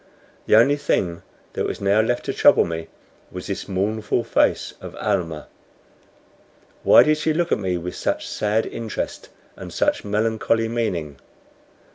The only thing that was now left to trouble me was this mournful face of Almah. Why did she look at me with such sad interest and such melancholy meaning?